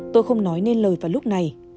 tôi không nói nên lời vào lúc này